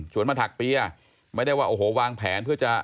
มาถักเปียไม่ได้ว่าโอ้โหวางแผนเพื่อจะ